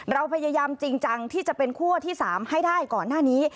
เราพยายามจริงจังที่จะเป็นคั่วที่๓ให้ได้ก่อนหน้านี้